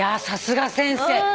さすが先生。